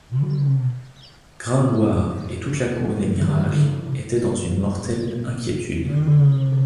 Gringoire et toute la Cour des Miracles étaient dans une mortelle inquiétude.